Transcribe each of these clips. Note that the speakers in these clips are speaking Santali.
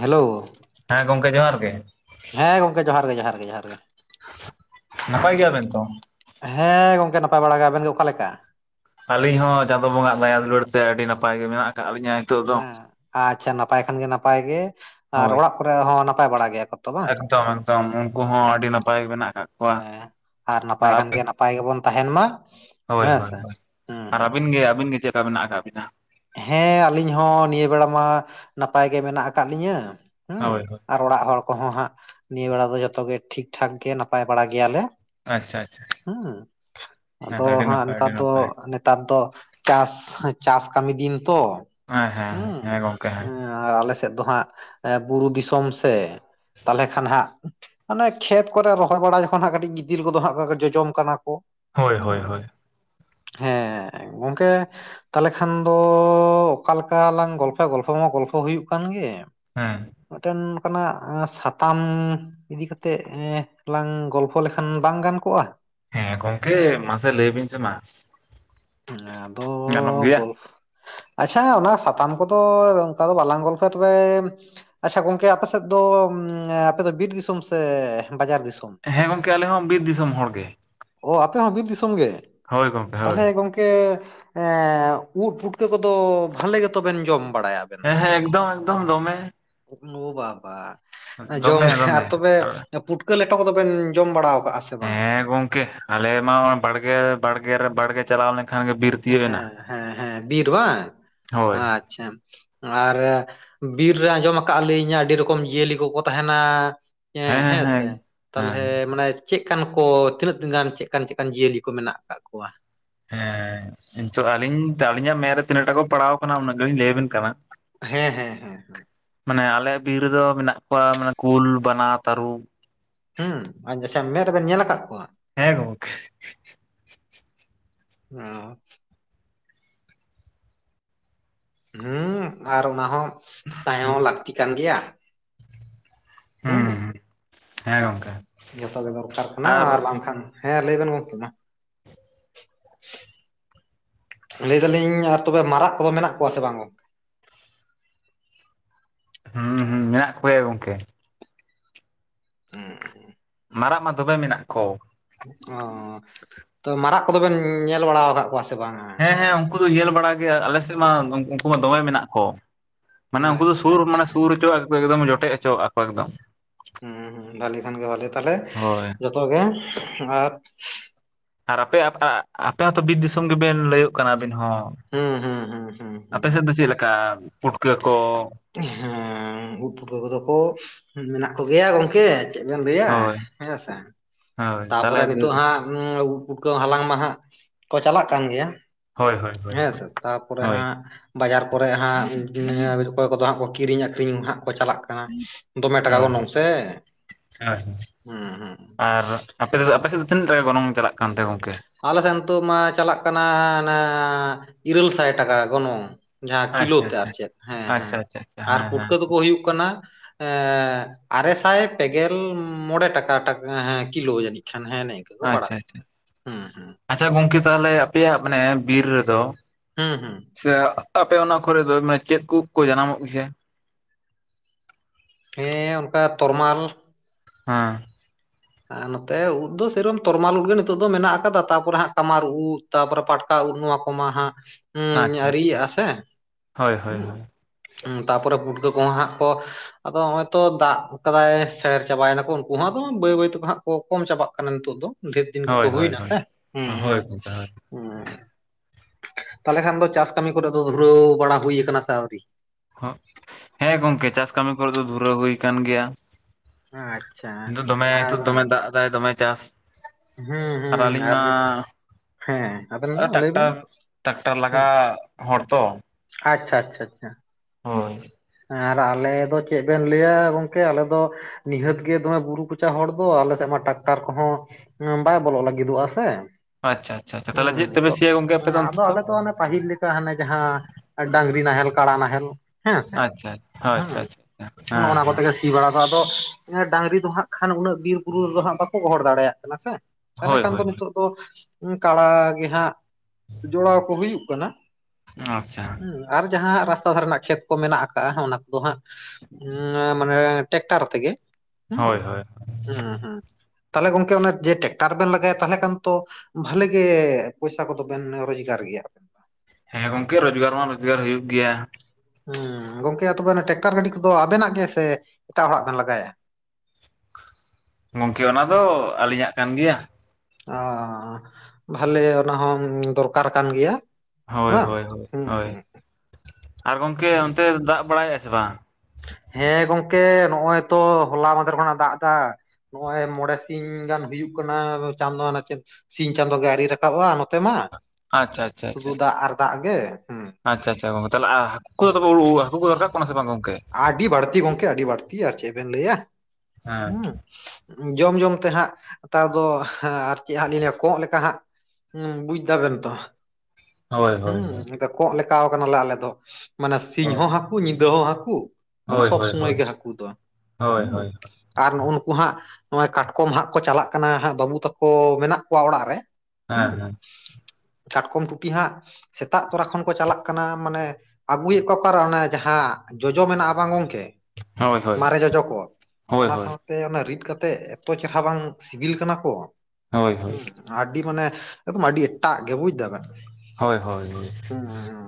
ᱦᱮᱞᱳ ᱦᱮᱸ ᱜᱚᱝᱠᱮ ᱡᱚᱦᱟᱨ ᱜᱮ ᱦᱮᱸ ᱜᱚᱝᱠᱮ ᱡᱚᱦᱟᱨ ᱜᱮ ᱡᱚᱦᱟᱨ ᱜᱮ ᱡᱚᱦᱟᱨ ᱜᱮ ᱱᱟᱯᱟᱭ ᱜᱮᱭᱟᱵᱱ ᱛᱚ ᱦᱮᱸ ᱜᱚᱝᱠᱮ ᱱᱟᱯᱟᱭ ᱵᱟᱲᱟ ᱜᱮ ᱟᱵᱮᱱ ᱜᱮ ᱚᱠᱟᱮ ᱞᱮᱠᱟ ᱟᱹᱞᱤᱧ ᱦᱚᱸ ᱪᱟᱸᱫᱳ ᱵᱚᱸᱜᱟ ᱟᱜ ᱫᱟᱭᱟ ᱫᱩᱞᱟᱹᱲ ᱛᱮ ᱟᱹᱰᱤ ᱱᱟᱯᱟᱭ ᱜᱮ ᱢᱮᱱᱟᱜ ᱟᱠᱟᱫ ᱞᱤᱧᱟ ᱟᱪᱪᱷᱟ ᱱᱟᱯᱟᱭ ᱠᱷᱟᱱᱜᱮ ᱱᱟᱯᱟᱭ ᱜᱮ ᱟᱨ ᱦᱳᱭ᱾ ᱚᱲᱟᱜ ᱠᱚᱨᱮ ᱦᱚᱸ ᱱᱟᱯᱟᱭ ᱵᱟᱲᱟ ᱜᱮᱭᱟ ᱠᱚ ᱛᱚ ᱵᱟᱝ ᱮᱠᱫᱚᱢ ᱮᱠᱫᱚᱢ ᱩᱱᱠᱩ ᱦᱚᱸ ᱦᱮᱸ ᱟᱹᱰᱤ ᱱᱟᱯᱟᱭ ᱜᱮ ᱢᱮᱱᱟᱜ ᱟᱠᱟᱫ ᱠᱚᱣᱟ ᱟᱨ ᱱᱟᱯᱟᱭ ᱠᱷᱟᱱ ᱜᱮ ᱱᱟᱯᱟᱭ ᱜᱮᱵᱚᱱ ᱛᱟᱦᱮᱱ ᱢᱟ ᱦᱳᱭ ᱦᱮᱸ ᱦᱳᱭ ᱥᱮ ᱦᱳᱭ ᱦᱩᱸ ᱟᱨ ᱦᱩᱸ ᱟᱹᱵᱤᱱ ᱜᱮ ᱟᱹᱵᱤᱱ ᱜᱮ ᱪᱮᱫᱠᱟ ᱢᱮᱱᱟᱜ ᱟᱠᱟᱫ ᱵᱤᱱᱟ ᱦᱮᱸ ᱟᱹᱞᱤᱧ ᱦᱚᱸ ᱱᱤᱭᱟᱹ ᱵᱮᱲᱟ ᱢᱟ ᱱᱟᱯᱟᱭ ᱜᱮ ᱢᱮᱱᱟᱜ ᱟᱠᱟᱫ ᱞᱤᱧᱟ ᱦᱳᱭ ᱦᱳᱭ ᱟᱨ ᱚᱲᱟᱜ ᱦᱚᱲ ᱠᱚᱦᱚᱸ ᱦᱟᱸᱜ ᱱᱤᱭᱟᱹ ᱵᱮᱲᱟ ᱫᱚ ᱡᱚᱛᱚᱜ ᱜᱮ ᱴᱷᱤᱠ ᱴᱷᱟᱠ ᱜᱮ ᱱᱟᱯᱟᱭ ᱵᱟᱲᱟ ᱜᱮᱭᱟᱞᱮ ᱟᱪᱪᱷᱟ ᱟᱪᱪᱷᱟ ᱦᱮᱸ ᱟᱫᱚ ᱟᱹᱰᱤ ᱦᱟᱸᱜ ᱱᱟᱯᱟᱭ ᱱᱮᱛᱟᱨ ᱟᱹᱰᱤ ᱫᱚ ᱱᱟᱯᱟᱭ᱾ ᱱᱮᱛᱟᱨ ᱫᱚ ᱪᱟᱥ ᱪᱟᱥ ᱠᱟᱹᱢᱤ ᱫᱤᱱ ᱛᱚ ᱦᱮᱸ ᱦᱮᱸ ᱦᱮᱸ ᱦᱩᱸ ᱦᱮᱸ ᱜᱚᱝᱠᱮ ᱦᱮᱸ ᱮᱸ ᱟᱞᱮ ᱥᱮᱫ ᱫᱚ ᱦᱟᱸᱜ ᱵᱩᱨᱩ ᱫᱤᱥᱚᱢ ᱥᱮ ᱛᱟᱦᱚᱞᱮ ᱠᱷᱟᱱ ᱦᱟᱸᱜ ᱟᱱᱮ ᱠᱷᱮᱛ ᱠᱚᱨᱮ ᱨᱚᱦᱚᱭ ᱵᱟᱲᱟ ᱡᱚᱠᱷᱚᱱ ᱦᱟᱸᱜ ᱠᱟᱹᱴᱤᱡ ᱜᱤᱫᱤᱞ ᱠᱚᱫᱚ ᱦᱟᱸᱜ ᱡᱚᱡᱚᱢ ᱠᱟᱱᱟ ᱠᱚ ᱦᱳᱭ ᱦᱳᱭ ᱦᱳᱭ ᱦᱮᱸ ᱜᱚᱝᱠᱮ ᱛᱟᱦᱚᱞᱮ ᱠᱷᱟᱱ ᱫᱚ ᱚᱠᱟ ᱞᱮᱠᱟᱞᱟᱟᱝ ᱜᱚᱞᱯᱷᱚᱭ ᱜᱚᱞᱯᱷᱚ ᱢᱟ ᱜᱚᱞᱯᱷᱚ ᱦᱩᱭᱩᱜ ᱠᱟᱱ ᱜᱮ ᱦᱮᱸ ᱢᱤᱫᱴᱮᱱ ᱚᱱᱠᱟᱱᱟᱜ ᱥᱟᱛᱟᱢ ᱤᱫᱤ ᱠᱟᱛᱮᱜ ᱞᱟᱝ ᱜᱚᱞᱯᱷᱚ ᱞᱮᱠᱷᱟᱱ ᱵᱟᱝ ᱜᱟᱱ ᱠᱚᱜᱼᱟ ᱦᱮᱸ ᱜᱚᱝᱠᱮ ᱢᱟᱥᱮ ᱞᱟᱹᱭ ᱵᱤᱱ ᱥᱮ ᱢᱟ ᱟᱫᱚ ᱜᱟᱱᱚᱜ ᱜᱮᱭᱟ ᱜᱚᱞ ᱟᱪᱪᱷᱟ ᱚᱱᱟ ᱥᱟᱛᱟᱢ ᱠᱚᱫᱚ ᱚᱱᱠᱟ ᱫᱚ ᱵᱟᱞᱟᱝ ᱜᱚᱞᱯᱚᱭᱟ ᱛᱚᱵᱮ ᱟᱪᱪᱷᱟ ᱜᱚᱝᱠᱮ ᱟᱯᱮᱥᱮᱫ ᱫᱚ ᱟᱯᱮ ᱫᱚ ᱵᱤᱨ ᱫᱤᱥᱚᱢ ᱥᱮ ᱵᱟᱡᱟᱨ ᱫᱤᱥᱚᱢ ᱦᱮᱸ ᱜᱚᱝᱠᱮ ᱟᱞᱮ ᱦᱚᱸ ᱵᱤᱨ ᱫᱤᱥᱚᱢ ᱦᱚᱲᱜᱮ ᱚ ᱟᱯᱮ ᱦᱚᱸ ᱵᱤᱨ ᱫᱤᱥᱚᱢ ᱜᱮ, ᱜᱚᱝᱠᱮ ᱦᱳᱭ ᱛᱟᱦᱚᱞᱮ ᱜᱚᱢᱠᱮ ᱮᱸ ᱩᱫ ᱯᱩᱴᱠᱟᱹ ᱠᱚᱫᱚ ᱵᱷᱟᱞᱮ ᱜᱮᱛᱚᱵᱮᱱ ᱡᱚᱢ ᱵᱟᱲᱟᱭᱟ᱾ ᱟᱵᱮᱱ ᱦᱮᱸ ᱫᱚ? ᱦᱮᱸ ᱮᱠᱫᱚᱢ ᱮᱠᱫᱚᱢ ᱫᱚᱢᱮ᱾ ᱳ ᱵᱟᱵᱟ ᱡᱚᱢ ᱫᱚᱢᱮ ᱦᱮ ᱫᱚᱢᱮ ᱟᱨ ᱛᱚᱵᱮ ᱯᱩᱴᱼᱼ ᱠᱟᱹ ᱞᱮᱴᱚ ᱠᱚᱫᱚᱵᱮᱱ ᱡᱚᱢ ᱵᱟᱲᱟᱣ ᱠᱟᱫᱟ ᱥᱮ? ᱵᱟᱝ? ᱦᱮᱸ ᱜᱚᱝᱠᱮ ᱟᱞᱮ ᱢᱟ ᱵᱟᱲᱜᱮ ᱵᱟᱲᱜᱮ ᱨᱮ ᱵᱟᱲᱜᱮ ᱪᱟᱞᱟᱣ ᱞᱮᱱᱠᱷᱟᱱ ᱜᱮ᱾ ᱵᱤᱨ ᱛᱤᱭᱳᱜ ᱮᱱᱟ ᱦᱮᱸ ᱦᱮᱸ ᱦᱮᱸ ᱵᱤᱨ ᱵᱟᱝ, ᱦᱳᱭ ᱟᱪᱪᱷᱟ᱾ ᱟᱨ ᱵᱤᱨ ᱨᱮ ᱟᱸᱡᱚᱢ ᱠᱟᱜᱼᱟᱞᱤᱧ ᱟᱹᱰᱤ ᱨᱚᱠᱚᱢ ᱡᱤᱭᱟᱹᱞᱤ ᱠᱚᱠᱚ ᱛᱟᱦᱮᱱᱟ᱾ ᱦᱮᱸ ᱦᱮᱸ ᱥᱮ ᱦᱮᱸ ᱛᱟᱦᱚᱞᱮ ᱢᱟᱱᱮ ᱪᱮᱫᱠᱟᱱ ᱠᱚ, ᱛᱤᱱᱟᱹᱜ ᱫᱤᱱ ᱜᱟᱱ ᱪᱮᱫᱠᱟᱱ ᱪᱮᱫᱠᱟᱱ ᱡᱤᱭᱟᱹᱞᱤ ᱠᱚ ᱢᱮᱱᱟᱜ ᱠᱟᱫ ᱠᱚᱣᱟ? ᱦᱮᱸ ᱱᱤᱛᱚᱜ ᱟᱹᱞᱤᱧ ᱟᱹᱞᱤᱧᱟᱜ ᱢᱮᱫᱨᱮ ᱛᱤᱱᱟᱹᱜ ᱴᱟ ᱠᱚ ᱯᱟᱲᱟᱣ ᱠᱟᱱᱟ ᱩᱱᱟᱹᱜ ᱜᱟᱹᱞᱤᱧ ᱞᱟᱹᱭ ᱟᱵᱮᱱ ᱠᱟᱱᱟ᱾ ᱦᱮᱸ ᱦᱮᱸ ᱦᱮᱸ ᱢᱟᱱᱮ ᱟᱞᱮ ᱵᱤᱨ ᱨᱮᱫᱚ ᱢᱮᱱᱟᱜ ᱠᱚᱣᱟ ᱢᱟᱱᱮ ᱠᱩᱞ ᱵᱟᱱᱟ ᱛᱟᱹᱨᱩᱵ ᱦᱩᱸ ᱟᱪᱷᱟ ᱢᱮᱫ ᱨᱮᱵᱮᱱ ᱧᱮᱞ ᱠᱟᱫ ᱠᱚᱣᱟ ᱦᱮᱸ ᱜᱚᱝᱠᱷᱮ᱾ ᱚ ᱦᱩᱸ ᱟᱨ ᱚᱱᱟ ᱦᱚᱸ ᱛᱟᱦᱮᱸ ᱦᱚᱸ ᱞᱟᱹᱠᱛᱤ ᱠᱟᱱ ᱜᱮᱭᱟ᱾ ᱦᱩᱸ᱾ ᱦᱮᱸ ᱜᱚᱝᱠᱮ᱾ ᱡᱚᱛᱚᱜ ᱜᱮ ᱫᱚᱨᱠᱟᱨ ᱠᱟᱱᱟ ᱟᱨ ᱵᱟᱝᱠᱷᱟᱱ ᱦᱮᱸ ᱞᱟᱹᱭ ᱵᱮᱱ ᱜᱚᱢᱠᱮ ᱢᱟ᱾ ᱞᱟᱹᱭ ᱫᱟᱞᱤᱧ ᱟᱨ ᱛᱚᱵᱮ ᱢᱟᱨᱟᱜ ᱠᱚᱫᱚ ᱢᱮᱱᱟᱜ ᱠᱚᱣᱟ ᱥᱮ ᱵᱟᱝ ᱜᱚᱝᱠᱮ ᱦᱩᱸ ᱦᱩᱸ ᱢᱮᱱᱟᱜ ᱠᱚᱜᱮᱭᱟ ᱜᱚᱝᱠᱮ᱾ [inaudible] ᱢᱟᱨᱟᱜ ᱢᱟ ᱫᱚᱵᱮ ᱢᱮᱱᱟᱜ ᱠᱚ᱾ ᱚᱸ ᱛᱚ ᱢᱟᱨᱟᱜ ᱠᱚᱫᱚ ᱵᱮᱱ ᱧᱮᱞ ᱵᱟᱲᱟ ᱟᱠᱟᱫ ᱠᱚᱣᱟ? ᱥᱮ ᱵᱟᱝᱟ ᱦᱮᱸ ᱦᱮᱸ ᱩᱱᱠᱩ ᱫᱚ ᱧᱮᱞ ᱵᱟᱲᱟ ᱜᱮ ᱟᱞᱮ ᱥᱮᱫ ᱢᱟ ᱩᱱᱠᱩ ᱢᱟ ᱫᱚᱢᱮ ᱢᱮᱱᱟᱜ ᱠᱚ᱾ ᱢᱟᱱᱮ ᱩᱱᱠᱩ ᱫᱚ ᱟᱪᱪᱷᱟ ᱥᱩᱨ ᱢᱟᱱᱮ ᱟᱪᱪᱷᱟ ᱥᱩᱨ ᱚᱪᱚᱣᱟᱜ ᱮᱠᱫᱚᱢ ᱡᱚᱴᱮᱫ ᱚᱪᱚᱣᱟᱜᱼᱟ ᱠᱚ ᱮᱠᱫᱚᱢ᱾ ᱦᱩᱸ ᱦᱩᱸ ᱵᱷᱟᱞᱤ ᱠᱷᱟᱱᱜᱮ ᱵᱷᱟᱞᱤ ᱛᱟᱞᱦᱮ᱾ ᱦᱳᱭ᱾ ᱡᱚᱛᱚᱜ ᱜᱮ ᱟᱨ, ᱟᱨ ᱟᱯᱮ ᱟᱯᱮ ᱦᱚᱸᱛᱚ ᱵᱤᱨ ᱫᱤᱥᱚᱢ ᱜᱮᱵᱮᱱ ᱞᱟᱹᱭᱳᱜ ᱠᱟᱱᱟ ᱟᱵᱤᱱ ᱦᱚᱸ᱾ ᱦᱩᱸ ᱦᱩᱸ᱾ ᱦᱩᱸ ᱦᱩᱸ ᱦᱩᱸ ᱟᱯᱮ ᱥᱮᱫ ᱫᱚ ᱪᱮᱫ ᱞᱮᱠᱟ ᱯᱩᱴᱠᱟᱹ ᱠᱚ? ᱦᱮᱸ ᱩᱫ ᱯᱩᱴᱠᱟᱹ ᱠᱚᱫᱚ ᱠᱚ ᱢᱮᱱᱟᱜ ᱠᱚᱜᱮᱭᱟ ᱜᱚᱝᱠᱮ ᱪᱮᱫ ᱵᱮᱱ ᱞᱟᱹᱭᱟ ᱦᱳᱭ ᱦᱮᱸᱥᱮ᱾ ᱦᱳᱭ ᱛᱟᱦᱚᱞᱮ ᱛᱟᱨᱯᱚᱨᱮ ᱱᱤᱛᱚᱜ ᱦᱟᱸᱜ [inaudible] ᱩᱫ ᱯᱩᱴᱠᱟᱹ ᱦᱟᱞᱟᱝ ᱢᱟ ᱦᱟᱸᱜ ᱠᱚ ᱪᱟᱞᱟᱜ ᱠᱟᱱ ᱜᱮᱭᱟ᱾ ᱦᱳᱭ ᱦᱳᱭ ᱦᱳᱭ ᱦᱮᱸ ᱦᱳᱭ ᱥᱮ ᱛᱟᱨᱯᱚᱨᱮ ᱦᱳᱭ ᱦᱟᱸᱜ, ᱵᱟᱡᱟᱨ ᱠᱚᱨᱮ ᱦᱟᱸᱜ [inaudible] ᱚᱠᱚᱭ ᱠᱚᱫᱚ ᱦᱟᱸᱜ ᱠᱚ ᱠᱤᱨᱤᱧ ᱟᱹᱠᱷᱨᱤᱧ ᱦᱟᱸᱜ ᱠᱚ ᱪᱟᱞᱟᱜ ᱠᱟᱱᱟ᱾ ᱫᱚᱢᱮ ᱴᱟᱠᱟ ᱦᱳᱭ ᱜᱚᱱᱚᱝ ᱥᱮ, ᱦᱩᱸ ᱦᱩᱸ᱾ ᱟᱨ ᱟᱯᱮ ᱫᱚ ᱟᱯᱮ ᱥᱮᱫ ᱫᱚ ᱛᱤᱱᱟᱹᱜ ᱴᱟᱠᱟ ᱜᱚᱱᱚᱝ ᱪᱟᱞᱟᱜ ᱠᱟᱱᱛᱮ ᱜᱚᱝᱠᱮ? ᱟᱞᱮ ᱥᱮᱫ ᱱᱤᱛᱚᱜ ᱢᱟ ᱪᱟᱞᱟᱜ ᱠᱟᱱᱟ ᱤᱨᱟᱹᱞ ᱥᱟᱭ ᱴᱟᱠᱟ ᱜᱚᱱᱚᱝ᱾ ᱡᱟᱦᱟᱸ ᱟᱪᱪᱷᱟ ᱠᱤᱞᱳᱛᱮ ᱟᱨ ᱟᱪᱪᱷᱟ ᱪᱮᱫ, ᱦᱮᱸ ᱦᱮᱸ, ᱟᱪᱪᱷᱟ ᱟᱪᱪᱷᱟ ᱟᱪᱪᱷᱟ ᱟᱨ ᱦᱮᱸ ᱦᱮᱸ ᱯᱩᱴᱠᱟᱹ ᱫᱚᱠᱚ ᱦᱩᱭᱩᱜ ᱠᱟᱱᱟ, ᱟᱨᱮ ᱥᱟᱭ ᱯᱮᱜᱮᱞ ᱢᱚᱬᱮ ᱴᱟᱠᱟ ᱴᱟᱜ ᱦᱮᱸ ᱠᱤᱞᱳ ᱡᱟᱹᱱᱤᱡ ᱠᱷᱟᱱ ᱦᱮᱸ᱾ ᱤᱱᱠᱟᱹ ᱠᱚ ᱟᱪᱪᱷᱟ ᱯᱟᱲᱟᱜ ᱟᱪᱪᱷᱟ, ᱦᱩᱸ ᱦᱩᱸ ᱟᱪᱷᱟ ᱜᱚᱝᱠᱮ ᱛᱟᱦᱚᱞᱮ ᱟᱯᱮᱭᱟᱜ ᱢᱟᱱᱮ ᱵᱤᱨ ᱨᱮᱫᱚ, ᱦᱩᱸ ᱦᱩᱸ᱾ ᱥᱮ ᱟᱯᱮ ᱚᱱᱟ ᱠᱚᱨᱮ ᱫᱚ ᱢᱮ ᱪᱮᱫ ᱠᱚ ᱩᱫ ᱠᱚ ᱡᱟᱱᱟᱢᱚᱜ ᱜᱮᱭᱟ? ᱦᱮᱸ ᱚᱱᱠᱟ ᱛᱚᱨᱢᱟᱞ, ᱦᱮᱸ᱾ ᱱᱚᱛᱮ ᱩᱫ ᱫᱚ ᱥᱮᱨᱚᱠᱚᱢ ᱛᱚᱨᱢᱟᱞ ᱩᱫ ᱜᱮ ᱱᱤᱛᱚᱜ ᱫᱚ ᱢᱮᱱᱟᱜ ᱟᱠᱟᱫᱟ ᱛᱟᱨᱯᱚᱨᱮ ᱦᱟᱸᱜ ᱠᱟᱢᱟᱨ ᱩᱫ, ᱛᱟᱯᱚᱨᱮ ᱯᱟᱴᱠᱟ ᱩᱫ ᱱᱚᱣᱟ ᱠᱚᱢᱟ ᱦᱟᱸᱜ ᱟᱪᱪᱷᱟ ᱟᱪᱪᱷᱟ ᱟᱨᱤᱭᱟᱜ-ᱟ ᱥᱮ᱾ ᱦᱳᱭ ᱦᱳᱭ ᱦᱩᱸ ᱦᱳᱭ᱾ ᱛᱟᱯᱚᱨᱮ ᱯᱩᱴᱠᱟᱹ ᱠᱚᱦᱚᱸ ᱦᱟᱸᱜ ᱠᱚ ᱟᱫᱚ ᱱᱚᱜ ᱚᱭ ᱛᱚ ᱫᱟᱜ ᱠᱟᱫᱟᱭ ᱥᱮᱨ ᱪᱟᱵᱟᱭ ᱱᱟᱠᱚ ᱩᱱᱠᱩ ᱦᱚᱸ ᱟᱫᱚ ᱵᱟᱹᱭ ᱵᱟᱹᱭ ᱛᱮᱠᱚ ᱦᱟᱸᱜ ᱠᱚᱢ ᱪᱟᱵᱟᱜ ᱠᱟᱱᱟ ᱱᱤᱛᱳᱜ ᱫᱚ ᱰᱷᱮᱨ ᱫᱤᱱ ᱜᱮᱠᱚ ᱦᱳᱭ ᱦᱳᱭ ᱦᱩᱭᱱᱟ ᱦᱳᱭ ᱥᱮ ᱦᱩᱸ ᱦᱩᱸ ᱦᱳᱭ ᱦᱮᱸ ᱜᱚᱝᱠᱮ ᱦᱳᱭ ᱛᱟᱦᱚᱞᱮ ᱠᱷᱟᱱ ᱫᱚ ᱪᱟᱥ ᱠᱟᱹᱢᱤ ᱠᱚᱨᱮ ᱫᱚ ᱫᱷᱩᱨᱟᱹᱣ ᱵᱟᱲᱟ ᱦᱩᱭ ᱠᱟᱱᱟ ᱥᱮ ᱟᱹᱣᱨᱤ ᱦᱮᱸ ᱜᱚᱝᱠᱮ ᱪᱟᱥ ᱠᱟᱹᱢᱤ ᱠᱚᱨᱮ ᱫᱚ ᱫᱷᱩᱨᱟᱹᱣ ᱦᱩᱭ ᱠᱟᱱ ᱜᱮᱭᱟ ᱟᱪᱪᱷᱟ ᱱᱤᱛᱚᱜ ᱫᱚᱢᱮ ᱟᱨ ᱱᱤᱛᱚᱜ ᱫᱚᱢᱮ ᱫᱟᱜ ᱮᱫᱟᱭ ᱫᱚᱢᱮ ᱪᱟᱥ ᱦᱩᱸ ᱟᱨ ᱦᱩᱸ ᱟᱹᱞᱤᱧ ᱢᱟ ᱦᱮᱸ ᱟᱵᱮᱱ ᱫᱚ ᱞᱟᱹᱭ ᱵᱮᱱ ᱴᱨᱟᱠᱴᱟᱨ ᱴᱨᱟᱠᱴᱟᱨ ᱦᱩᱸ ᱞᱟᱜᱟ ᱦᱚᱲ ᱛᱚ ᱟᱪᱪᱷᱟ ᱟᱪᱷᱟ ᱟᱪᱪᱷᱟ ᱦᱳᱭ ᱟᱨ ᱟᱞᱮ ᱫᱚ ᱪᱮᱫ ᱵᱮᱱ ᱞᱟᱹᱭᱟ ᱜᱚᱝᱠᱮ ᱟᱞᱮ ᱫᱚ ᱱᱤᱦᱟᱹᱛ ᱜᱮ ᱫᱚᱢᱮ ᱵᱩᱨᱩ ᱠᱚᱪᱟ ᱦᱚᱲ ᱫᱚ ᱟᱞᱮᱥᱮᱫ ᱢᱟ ᱴᱨᱟᱠᱴᱟᱨ ᱠᱚᱦᱚᱸ, ᱦᱚᱸ ᱵᱟᱭ ᱵᱚᱞᱚᱜ ᱞᱟᱹᱜᱤᱫᱚᱜᱼᱟ ᱥᱮ ᱟᱪᱪᱷᱟ ᱟᱪᱪᱷᱟ ᱟᱪᱪᱷᱟ ᱛᱟᱦᱚᱞᱮ ᱦᱮᱸ ᱪᱮᱫ ᱛᱮᱯᱮ ᱥᱤᱭᱟ ᱜᱚᱝᱠᱮ ᱟᱯᱮ ᱫᱚ ᱚᱱᱛᱮ ᱟᱫᱚ ᱫᱚ ᱟᱞᱮ ᱚᱱᱮ, ᱯᱟᱹᱦᱤᱞ ᱞᱮᱠᱟ ᱦᱟᱱᱮ ᱡᱟᱦᱟᱸ ᱰᱟᱝᱨᱤ ᱱᱟᱦᱮᱞ ᱠᱟᱲᱟ ᱱᱟᱦᱮᱞ ᱦᱮᱸ ᱥᱮ ᱟᱪᱪᱷᱟ ᱟᱪᱪᱷᱟ ᱟᱪᱪᱷᱟ ᱦᱩᱸ ᱚᱱᱟ ᱦᱮᱸ ᱠᱚᱛᱮ ᱦᱮᱸ ᱜᱮ ᱥ ᱥᱤ ᱵᱟᱲᱟ ᱫᱚ ᱟᱫᱚ ᱰᱟᱝᱨᱤ ᱫᱚᱦᱟᱸᱜ ᱠᱷᱟᱱ ᱩᱱᱟᱹᱜ ᱵᱤᱨ ᱵᱩᱨᱩ ᱨᱮᱫᱚ ᱦᱟᱸᱜ ᱵᱟᱠᱚ ᱜᱚᱦᱚᱲ ᱫᱟᱲᱮᱭᱟᱜ ᱠᱟᱱᱟ ᱥᱮ ᱛᱟᱦᱚᱞᱮ ᱦᱳᱭ ᱠᱷᱟᱱ ᱫᱚ ᱦᱳᱭ ᱱᱤᱛᱚᱜ ᱫᱚ ᱠᱟᱲᱟ ᱜᱮᱦᱟᱸᱜ ᱡᱚᱲᱟᱣ ᱠᱚ ᱦᱩᱭᱩᱜ ᱠᱟᱱᱟ ᱟᱪᱪᱷᱟ ᱦᱮᱸ ᱟᱨ ᱡᱟᱦᱟᱸ ᱨᱟᱥᱛᱟ ᱫᱷᱟᱨᱮ ᱨᱮᱱᱟᱜ ᱠᱷᱮᱛ ᱠᱚ ᱢᱮᱱᱟᱜ ᱟᱜ ᱚᱱᱟ ᱠᱚᱫᱚ ᱦᱟᱸᱜ ᱢᱟᱱᱮ ᱴᱮᱠᱴᱟᱨ ᱛᱮᱜᱮ ᱦᱮᱸ ᱦᱳᱭ ᱦᱳᱭ ᱦᱮᱸ ᱦᱮᱸ ᱛᱟᱦᱚᱞᱮ ᱜᱚᱝᱠᱮ ᱡᱮ ᱴᱮᱠᱴᱟᱨ ᱵᱮᱱ ᱞᱟᱜᱟᱭᱟ ᱛᱟᱦᱮ ᱠᱷᱟᱱ ᱛᱚ ᱵᱷᱟᱞᱤ ᱜᱮ ᱯᱚᱭᱥᱟ ᱠᱚᱫᱚ ᱵᱮᱱ ᱨᱳᱡᱽᱜᱟᱨ ᱜᱮᱭᱟ ᱦᱮᱸ ᱜᱚᱝᱠᱮ ᱨᱚᱡᱽᱜᱟᱨ ᱢᱟ ᱨᱚᱡᱽᱜᱟᱨ ᱦᱩᱭᱩᱜ ᱜᱮᱭᱟ ᱦᱮᱸ ᱜᱚᱝᱠᱮ ᱛᱚᱵᱮ ᱴᱮᱠᱴᱟᱨ ᱜᱟᱹᱰᱤ ᱠᱚᱫᱚ ᱟᱵᱮᱱᱟᱜ ᱜᱮ ᱥᱮ ᱮᱴᱟᱜ ᱦᱚᱲᱟᱜ ᱵᱮᱱ ᱞᱟᱜᱟᱭᱟ ᱜᱚᱝᱠᱮ ᱚᱱᱟ ᱫᱚ ᱟᱹᱞᱤᱧᱟᱜ ᱠᱟᱱ ᱜᱮᱭᱟ ᱚ ᱵᱷᱟᱞᱮ ᱚᱱᱟ ᱦᱚ ᱫᱚᱨᱠᱟᱨ ᱠᱟᱱ ᱜᱮᱭᱟ ᱦᱳᱭ ᱵᱟᱝ? ᱦᱳᱭ ᱦᱳᱭ ᱦᱩᱸ ᱦᱩᱸ ᱦᱳᱭ ᱟᱨ ᱜᱚᱢᱠᱮ ᱚᱱᱛᱮ ᱫᱟᱜ ᱵᱟᱲᱟᱭᱮᱫᱼᱟ ᱥᱮ ᱵᱟᱝ ᱦᱮᱸ ᱜᱚᱝᱠᱮ ᱱᱚᱜᱼᱚᱭ ᱛᱚ ᱦᱚᱞᱟ ᱢᱟᱫᱮᱨ ᱠᱷᱚᱱᱟᱜ ᱫᱟᱜ ᱮᱫᱟ ᱱᱚᱜᱼᱚᱭ ᱢᱚᱬᱮ ᱥᱤᱧ ᱜᱟᱱ ᱦᱩᱭᱩᱜ ᱠᱟᱱᱟ ᱪᱟᱸᱫᱳ ᱱᱟ ᱪᱮᱫ ᱥᱤᱧ ᱪᱟᱸᱫᱳ ᱜᱮ ᱟᱹᱨᱤ ᱨᱟᱠᱟᱵᱼᱟ ᱱᱚᱛᱮ ᱢᱟ ᱟᱪᱪᱷᱟ ᱟᱪᱪᱷᱟ ᱥᱩᱫᱷᱩ ᱟᱪᱪᱷᱟ ᱫᱟᱜ ᱟᱨ ᱫᱟᱜ ᱜᱮ ᱦᱩᱸ ᱟᱪᱪᱷᱟ ᱟᱪᱪᱷᱟ ᱜᱚᱝᱠᱮ ᱪᱟᱞᱟᱜ-ᱟ [inaudible] ᱦᱟᱠᱩ ᱠᱚᱫᱚ ᱠᱚ ᱨᱟᱠᱟᱵ ᱠᱟᱱᱟ ᱥᱮ ᱵᱟᱝ ᱜᱚᱝᱠᱮ ᱟᱹᱰᱤ ᱵᱟᱹᱲᱛᱤ ᱜᱚᱝᱠᱮ ᱟᱹᱰᱤ ᱵᱟᱹᱲᱛᱤ ᱟᱨ ᱪᱮᱫ ᱵᱮᱱ ᱞᱟᱹᱭᱟ ᱦᱮᱸ ᱩ ᱡᱚᱢ ᱡᱚᱢ ᱛᱮ ᱦᱟᱸᱜ ᱱᱮᱛᱟᱨ ᱫᱚ ᱟᱨ ᱪᱮᱫ ᱦᱟᱸᱜ ᱞᱤᱧᱞᱟᱹᱭᱟ ᱠᱚᱸᱜ ᱞᱮᱠᱟ ᱦᱟᱸᱜ ᱦᱩᱸ ᱵᱩᱡ ᱫᱟᱵᱮᱱ ᱛᱚ ᱦᱳᱭ ᱦᱳᱭ ᱦᱩᱸ ᱦᱳᱭ ᱠᱚᱜ ᱞᱮᱠᱟ ᱠᱟᱱᱟᱞᱮ ᱟᱞᱮ ᱫᱚ ᱢᱟᱱᱮ ᱥᱤᱧ ᱦᱳᱭ ᱦᱚᱸ ᱦᱟᱠᱩ ᱧᱤᱫᱟᱹ ᱦᱚᱸ ᱦᱟᱠᱩ ᱢᱟᱱᱮ ᱦᱳᱭ ᱥᱚᱵ ᱦᱳᱭ ᱥᱚᱢᱚᱭ ᱜᱮ ᱦᱟᱹᱠᱩ ᱫᱚ ᱦᱳᱭ ᱦᱩᱸ ᱦᱳᱭ ᱟᱨ ᱱᱩᱜᱩ ᱱᱩᱠᱩ ᱦᱟᱸᱜ ᱱᱚᱜᱼᱚᱭ ᱠᱟᱴᱠᱚᱢ ᱦᱟᱸᱜ ᱠᱚ ᱪᱟᱞᱟᱜ ᱠᱟᱱᱟ ᱦᱟᱸᱜ ᱵᱟᱹᱵᱩ ᱛᱟᱠᱚ ᱢᱮᱱᱟᱜ ᱠᱚᱣᱟ ᱚᱲᱟᱜ ᱨᱮ ᱦᱮᱸ ᱠᱟᱴᱠᱚᱢ ᱴᱩᱴᱤ ᱦᱟᱸᱜ ᱥᱮᱛᱟᱜ ᱛᱚᱨᱟ ᱠᱷᱚᱱ ᱠᱚ ᱪᱟᱞᱟᱜ ᱠᱟᱱᱟ ᱢᱟᱱᱮ ᱟᱹᱜᱩᱭᱮᱫ ᱠᱚᱣᱟ ᱠᱚ ᱚᱱᱮ ᱡᱟᱦᱟᱸ ᱡᱚᱡᱚ ᱢᱮᱱᱟᱜᱼᱟ ᱵᱟᱝ ᱜᱚᱝᱠᱮ ᱦᱳᱭ ᱦᱳᱭ ᱢᱟᱨᱮ ᱡᱚᱡᱚ ᱠᱚ ᱦᱳᱭ ᱚᱱᱟ ᱦᱳᱭ ᱥᱟᱶᱛᱮ ᱛᱮ ᱨᱤᱫ ᱠᱟᱛᱮᱜ ᱮᱛᱚ ᱪᱮᱨᱦᱟ ᱵᱟᱝ ᱥᱤᱵᱤᱞ ᱠᱟᱱᱟ ᱠᱚ ᱦᱳᱭ ᱦᱮᱸ ᱟᱹᱰᱤ ᱢᱟᱱᱮ ᱮᱠᱫᱚᱢ ᱟᱹᱰᱤ ᱮᱴᱟᱜ ᱜᱮ ᱵᱩᱡ ᱫᱟ ᱵᱮᱱ ᱦᱳᱭ ᱦᱳᱭ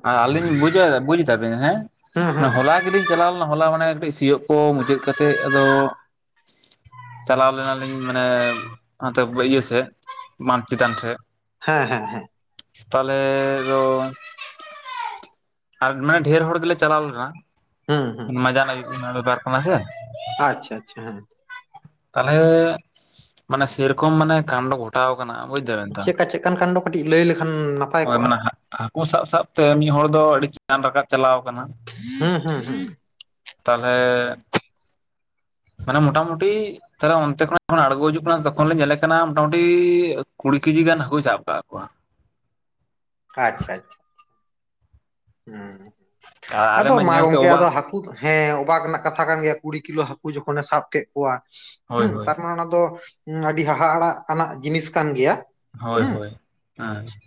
ᱟᱨ ᱟᱹᱞᱤᱧ ᱵᱩᱡᱟ ᱵᱩᱡ ᱫᱟᱵᱤᱱ ᱦᱮᱸ ᱦᱩᱸ ᱦᱩᱸ ᱦᱚᱞᱟ ᱜᱮᱞᱤᱧ ᱪᱟᱞᱟᱣ ᱞᱮᱱᱟ ᱦᱚᱞᱟ ᱢᱟᱱᱮ ᱠᱟᱹᱴᱤᱡ ᱥᱤᱭᱳᱜ ᱠᱚ ᱢᱩᱪᱟᱹᱫ ᱠᱟᱛᱮᱜ ᱟᱫᱚ ᱪᱟᱞᱟᱣ ᱞᱮᱱᱟᱞᱤᱧ ᱢᱟᱱᱮ ᱱᱟᱛᱮ ᱤᱭᱟᱹ ᱥᱮᱫ ᱢᱟᱴ ᱪᱮᱛᱟᱱ ᱥᱮᱫ ᱦᱮᱸ ᱦᱮᱸ ᱦᱮᱸ ᱛᱟᱦᱚᱞᱮ ᱫᱚ ᱟᱨ ᱢᱟᱱᱮ ᱰᱷᱮᱨ ᱦᱚᱲ ᱜᱮᱞᱮ ᱪᱟᱞᱟᱣ ᱞᱮᱱᱟ ᱦᱩᱸ ᱦᱩᱸ ᱢᱟᱡᱟᱱ ᱟᱹᱭᱩᱵ ᱵᱮᱯᱟᱨ ᱠᱟᱱᱟ ᱥᱮ ᱾ ᱟᱪᱪᱷᱟ ᱟᱪᱪᱷᱟ ᱦᱮᱸ ᱾ ᱛᱟᱦᱚᱞᱮ ᱢᱟᱱᱮ ᱥᱮ ᱨᱚᱠᱚᱢ ᱢᱟᱱᱮ ᱠᱟᱰ ᱜᱷᱚᱴᱟᱣ ᱠᱟᱱᱟ ᱵᱩᱡ ᱫᱟᱵᱮᱱ ᱛᱚ ᱪᱮᱫᱠᱟ ᱪᱮᱫᱠᱟᱱ ᱠᱷᱟᱱ ᱫᱚ ᱠᱟᱹᱴᱤᱡ ᱞᱟᱹᱭ ᱞᱮᱠᱷᱟᱱ ᱱᱟᱯᱟᱭ ᱾ᱦᱳᱭ ᱠᱚᱜᱼᱟ ᱢᱟᱱᱮ ᱦᱟᱠᱳ ᱥᱟᱵ ᱥᱟᱵ ᱛᱮ ᱢᱤᱫ ᱦᱚᱲ ᱫᱚ, ᱟᱹᱰᱤ ᱪᱮᱛᱟᱱ ᱨᱟᱠᱟᱵ ᱪᱟᱞᱟᱣ ᱠᱟᱱᱟ ᱾ ᱦᱩᱸᱻᱦᱩᱸᱻᱦᱩᱸ᱾ ᱛᱟᱦᱚᱞᱮ ᱢᱟᱱᱮ ᱢᱳᱴᱟᱢᱩᱴᱤ ᱛᱟᱦᱚᱞᱮ ᱚᱱᱛᱮ ᱠᱷᱚᱱᱟᱜ ᱡᱚᱠᱷᱚᱱ ᱟᱲᱜᱳ ᱦᱤᱡᱩᱜ ᱠᱟᱱᱟ᱾ ᱛᱚᱠᱷᱚᱱ ᱞᱮ ᱧᱮᱞᱮ ᱠᱟᱱᱟ ᱢᱳᱴᱟ ᱢᱩᱴᱤ, ᱠᱩᱲᱤ ᱠᱮᱡᱤ ᱜᱟᱱ ᱦᱟᱠᱳᱭ ᱥᱟᱵ ᱠᱟᱜ ᱠᱚᱣᱟ ᱾ ᱟᱪᱪᱷᱟ ᱟᱪᱪᱷᱟ ᱾ ᱦᱮᱸ ᱟᱨ ᱟᱞᱮ ᱟᱫᱚ ᱢᱟ ᱧᱮᱞᱛᱮ ᱜᱚᱝᱠᱮ ᱟᱫᱚ ᱚᱵᱟᱠ ᱦᱟᱹᱠᱩ ᱦᱮᱸ ᱚᱵᱟᱠ ᱨᱮᱱᱟᱜ ᱠᱟᱛᱷᱟ ᱠᱟᱱ ᱜᱮᱭᱟ, ᱠᱩᱲᱤ ᱠᱤᱞᱳ ᱦᱟᱹᱠᱩ ᱡᱚᱠᱷᱚᱱᱮ ᱥᱟᱵ ᱠᱮᱫ ᱠᱚᱣᱟ ᱾ ᱦᱳᱭ ᱦᱮᱸ ᱦᱳᱭ ᱛᱟᱨ ᱢᱟᱱᱮ ᱚᱱᱟ ᱫᱚ ᱟᱹᱰᱤ ᱦᱟᱦᱟᱟᱲᱟᱜ ᱟᱱᱟᱜ ᱡᱤᱱᱤᱥ ᱠᱟᱱ ᱜᱮᱭᱟ ᱾ ᱦᱳᱭᱻᱦᱳᱭ᱾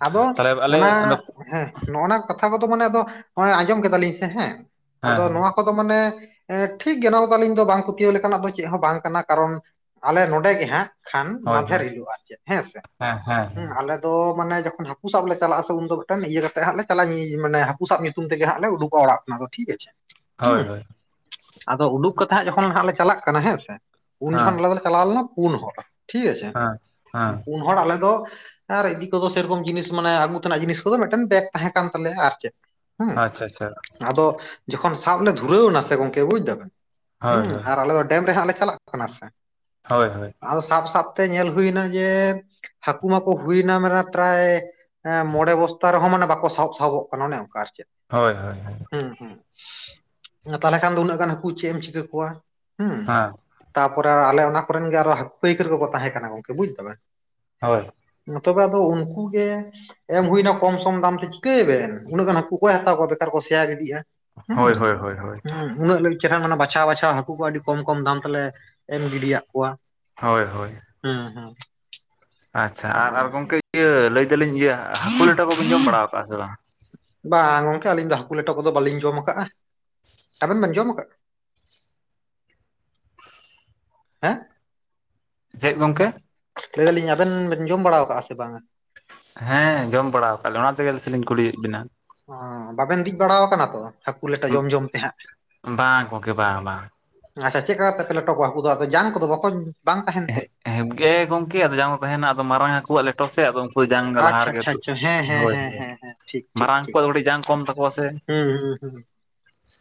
ᱟᱫᱚ ᱚᱱᱟ ᱦᱮᱸ ᱱᱚᱜ ᱱᱟ ᱠᱟᱛᱷᱟ ᱠᱚᱫᱚ ᱢᱟᱱᱮ ᱟᱫᱚ ᱟᱸᱡᱚᱢ ᱠᱮᱫᱟᱞᱤᱧ ᱥᱮ ᱦᱮᱸ ᱟᱫᱚ ᱦᱮᱸ ᱱᱚᱣᱟ ᱠᱚᱫᱚ ᱢᱟᱱᱮ ᱴᱷᱤᱠ ᱜᱮ ᱱᱚᱣᱟ ᱠᱚ ᱫᱚ, ᱟᱹᱞᱤᱧ ᱫᱚ ᱵᱟᱝ ᱯᱟᱹᱛᱭᱟᱹᱣ ᱞᱮᱠᱟᱱᱟᱜ ᱫᱚ ᱪᱮᱫ ᱦᱚᱸ ᱵᱟᱝ ᱠᱟᱱᱟ ᱠᱟᱨᱚᱱ ᱟᱞᱮ ᱱᱚᱰᱮ ᱜᱮᱦᱟᱸᱜ ᱠᱷᱟᱱ ᱦᱳᱭ ᱢᱟᱫᱷᱮᱨ ᱦᱳᱭ ᱦᱤᱞᱳᱜᱼᱟ ᱟᱨ ᱪᱮᱫ ᱦᱮᱸ ᱥᱮ ᱦᱮᱸ ᱟᱞᱮ ᱫᱚ ᱢᱟᱱᱮ ᱡᱚᱠᱷᱚᱱ ᱦᱟᱹᱠᱩ ᱥᱟᱵ ᱞᱮ ᱪᱟᱞᱟᱜᱼᱟ, ᱥᱮ ᱩᱱᱫᱚ ᱢᱤᱫᱴᱮᱱ ᱤᱭᱟᱹ ᱠᱟᱛᱮ ᱦᱟᱸᱜ ᱞᱮ ᱪᱟᱞᱟᱜ ᱢᱟᱱᱮ ᱦᱟᱹᱠᱩ ᱥᱟᱵ ᱧᱩᱛᱩᱢ ᱛᱮᱜᱮ ᱦᱟᱸᱜ ᱞᱮ ᱩᱰᱩᱠᱼᱟ ᱚᱲᱟᱜ ᱠᱷᱚᱱᱟᱜ ᱾ ᱴᱷᱤᱠ ᱟᱪᱷᱮ ᱦᱳᱭ ᱦᱩᱸᱻ ᱦᱳᱭ ᱟᱫᱚ ᱩᱰᱩᱠ ᱠᱟᱛᱮ ᱦᱟᱸᱜ ᱡᱚᱠᱷᱚᱱ ᱦᱟᱜ ᱞᱮ ᱪᱟᱞᱟᱜ ᱠᱟᱱᱟ ᱦᱮᱸᱥᱮ, ᱩᱱ ᱦᱮᱸ ᱡᱚᱠᱷᱚᱱ ᱟᱞᱮ ᱫᱚᱞᱮ ᱪᱟᱞᱟᱣ ᱞᱮᱱᱟ ᱯᱩᱱ ᱦᱚᱲ ᱴᱷᱤᱠ ᱟᱪᱷᱮ, ᱦᱮᱸ ᱦᱮᱸ ᱯᱩᱱ ᱦᱚᱲ ᱟᱞᱮ ᱫᱚ ᱟᱨᱤᱫᱤ ᱥᱮᱨᱚᱠᱚᱢ ᱡᱤᱱᱤᱥ ᱢᱟᱱᱮ ᱟᱹᱜᱩ ᱛᱮᱱᱟᱜ ᱡᱤᱱᱤᱥ ᱠᱚᱫᱚ ᱢᱤᱫᱴᱮᱱ ᱵᱮᱜ ᱛᱟᱦᱮᱸ ᱠᱟᱱ ᱛᱟᱞᱮᱭᱟ ᱟᱨ ᱪᱮᱫ ᱦᱩᱸ ᱟᱪᱪᱷᱟ ᱟᱪᱪᱷᱟ ᱾ ᱟᱫᱚ ᱡᱚᱠᱷᱚᱱ ᱥᱟᱵ ᱞᱮ ᱫᱷᱩᱨᱟᱹᱣ ᱱᱟ ᱥᱮ ᱜᱚᱝᱠᱮ ᱵᱩᱡ ᱫᱟᱢ, ᱦᱳᱭ ᱦᱮᱸᱻ ᱦᱳᱭ ᱟᱨ ᱟᱞᱮ ᱫᱚ ᱰᱮᱢ ᱨᱮ ᱦᱟᱸᱜ ᱞᱮ ᱪᱟᱞᱟᱜ ᱠᱟᱱᱟ ᱥᱮ ᱦᱳᱭᱻᱦᱳᱭ᱾ ᱟᱫᱚ ᱥᱟᱵ ᱥᱟᱵᱛᱮ ᱧᱮᱞ ᱦᱩᱭᱱᱟ ᱡᱮ ᱦᱟᱹᱠᱩ ᱢᱟᱠᱚ ᱦᱩᱭᱱᱟ ᱢᱟᱱᱮᱮ ᱯᱨᱟᱭ ᱦᱮᱸ ᱢᱚᱬᱮ ᱵᱚᱥᱛᱟ ᱨᱮᱦᱚᱸ ᱢᱟᱱᱮ ᱵᱟᱠᱚ ᱥᱟᱦᱚᱵ ᱥᱟᱦᱚᱵᱚᱜ ᱠᱟᱱᱟ ᱚᱱᱮ ᱚᱱᱠᱟ ᱟᱨ ᱪᱮᱫ ᱾ ᱦᱳᱭᱻᱦᱳᱭ᱾ ᱦᱮᱸᱻᱦᱮᱸᱻ ᱛᱟᱦᱚᱞᱮ ᱠᱷᱟᱱ ᱫᱚ ᱩᱱᱟᱹᱜ ᱜᱟᱱ ᱦᱟᱹᱠᱩ ᱪᱮᱜ ᱮᱢ ᱪᱤᱠᱟᱹ ᱠᱚᱣᱟ ᱾ ᱦᱮᱸ ᱛᱟᱯᱚᱨᱮ ᱟᱞᱮ ᱚᱱᱟ ᱠᱚᱨᱮᱱ ᱜᱮ ᱟᱨᱚ, ᱦᱟᱹᱠᱩ ᱯᱟᱹᱭᱠᱟᱹᱨ ᱠᱚᱠᱚ ᱛᱟᱦᱮᱸ ᱠᱟᱱᱟ ᱜᱚᱝᱠᱮ ᱵᱩᱡ ᱫᱟᱵᱮᱱ ᱾ ᱦᱳᱭ ᱾ ᱛᱚᱵᱮ ᱟᱫᱚ ᱩᱱᱠᱩ ᱜᱮ ᱮᱢ ᱦᱩᱭᱱᱟ ᱠᱚᱢ ᱥᱚᱢ ᱫᱟᱢ ᱛᱮ ᱪᱤᱠᱟᱹ ᱭᱟᱵᱮᱱ, ᱩᱱᱟᱹᱜ ᱜᱟᱱ ᱦᱟᱹᱠᱩ ᱠᱚ ᱦᱟᱛᱟᱣ ᱠᱚᱣᱟ ᱾ ᱵᱮᱠᱟᱨ ᱠᱚ ᱥᱮᱭᱭᱟ ᱜᱤᱰᱤᱜᱼᱟ ᱾ ᱦᱮᱸᱻ ᱦᱳᱭ ᱦᱳᱭ ᱦᱳᱭ ᱦᱳᱭ ᱦᱸᱻ, ᱩᱱᱟᱹᱜ ᱪᱮᱨᱦᱟ ᱢᱟᱱᱮ ᱵᱟᱪᱷᱟᱣ ᱵᱟᱪᱷᱟᱣ ᱦᱟᱹᱠᱩ ᱠᱚ ᱟᱹᱰᱤ ᱠᱚᱢ ᱠᱚᱢ ᱫᱟᱢ ᱛᱮᱞᱮ ᱮᱢ ᱜᱤᱰᱟᱜ ᱠᱚᱣᱟ ᱦᱮᱸ ᱦᱮᱸ᱾ ᱟᱪᱷᱟ ᱟᱨ ᱜᱚᱝᱠᱮ ᱤᱭᱟᱹ ᱞᱟᱹᱭ ᱫᱟᱞᱤᱧ ᱤᱭᱟᱹ ᱦᱟᱹᱠᱩ ᱞᱮᱴᱟ ᱠᱚᱵᱤᱱ ᱡᱚᱢ ᱵᱟᱲᱟ ᱠᱟᱜᱼᱟ ᱥᱮ ᱵᱟᱝ? ᱵᱟᱝ ᱜᱚᱝᱠᱮ ᱟᱹᱞᱤᱧ ᱫᱚ ᱦᱟᱹᱠᱩ ᱞᱮᱴᱚ ᱠᱚᱫᱚ ᱵᱟᱟᱹᱞᱤᱧ ᱡᱚᱢ ᱠᱟᱜᱼᱟ, ᱟᱵᱮᱱ ᱵᱮᱱ ᱡᱚᱢ ᱠᱟᱜᱼᱟ? [inaudible] ᱦᱮᱸ ᱪᱮᱫ ᱜᱚᱝᱠᱮ? ᱞᱟᱹᱭ ᱫᱟᱞᱤᱧ ᱟᱵᱮᱱ ᱵᱮᱱ ᱡᱚᱢ ᱵᱟᱲᱟ ᱠᱟᱜᱼᱟ ᱥᱮ ᱵᱟᱝ? ᱦᱮᱸ ᱡᱚᱢ ᱵᱟᱲᱟ ᱠᱟᱜᱼᱟ ᱞᱮᱧ ᱚᱱᱟᱛᱮᱜᱮ ᱥᱮᱞᱤᱧ ᱠᱩᱞᱤᱭᱮᱫ ᱵᱤᱱᱟ ᱾ ᱚᱻ ᱵᱟᱵᱮᱱ ᱫᱤᱡ ᱵᱟᱲᱟ ᱠᱟᱱᱟ ᱛᱚ? ᱦᱟᱹᱠᱩ ᱞᱮᱴᱚ ᱡᱚᱢ ᱡᱚᱢ ᱛᱮ ᱦᱟᱸᱜ? ᱵᱟᱝ ᱜᱚᱝᱠᱮ ᱵᱟᱝ ᱵᱟᱝ ᱟᱪᱷᱟ ᱪᱮᱫᱠᱟ ᱠᱟᱛᱮᱯᱮ ᱞᱮᱴᱚ ᱠᱚᱣᱟ, ᱦᱟᱹᱠᱩ ᱫᱚ ᱟᱫᱚ ᱡᱟᱝ ᱠᱚᱫᱚ ᱵᱟᱠᱚ ᱵᱟᱝ ᱛᱟᱦᱮᱸᱱ ᱛᱮ? ᱦᱮᱵᱸ ᱜᱮ ᱜᱚᱝᱠᱮ ᱟᱫᱚ ᱡᱟᱝ ᱫᱚ ᱛᱟᱦᱮᱸᱱᱟ ᱟᱫᱚ ᱢᱟᱨᱟᱝ ᱦᱟᱹᱠᱩᱣᱟᱜ ᱞᱮᱴᱚ ᱥᱮ ᱟᱫᱚ ᱡᱟᱝ ᱫᱚ ᱞᱟᱦᱟ ᱟᱪᱪᱷᱟ ᱨᱮᱜᱮ ᱟᱪᱪᱷᱟ ᱛᱳᱜ ᱟᱪᱪᱷᱟ ᱦᱮᱸ ᱦᱮᱸ ᱦᱳᱭ, ᱦᱮᱸ ᱻᱦᱳᱭ, ᱦᱮᱸ ᱦᱮᱸ ᱴᱷᱤᱠ ᱴᱷᱤᱠ ᱢᱟᱨᱟᱝ ᱴᱷᱤᱠ ᱠᱚᱣᱟᱜ ᱫᱚ ᱠᱟᱹᱴᱤᱡ ᱡᱟᱝ ᱠᱚᱢ ᱛᱟᱠᱚᱣᱟ ᱥᱮ ᱾ ᱦᱩᱸ ᱦᱩᱸ ᱦᱩᱸ [unintelligible]